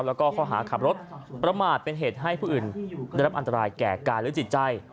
แล้วก็ข้อหาขับรถประมาทเป็นเหตุให้ผู้อื่นได้รับอันตรายแก่กายหรือจิตใจ